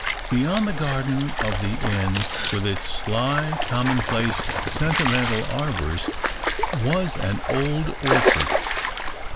Beyond the garden of the inn, with its sly, commonplace, sentimental arbours, was an old orchard.